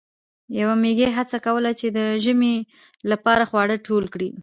یوې میږی هڅه کوله چې د ژمي لپاره خواړه ټول کړي.